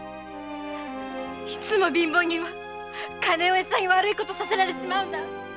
いつも貧乏人は金をエサに悪いことをさせられちまうんだ！